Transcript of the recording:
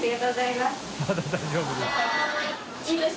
「まだ大丈夫です」